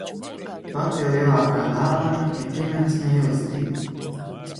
Pati lielākā dāvana ir ģimenes mīlestība.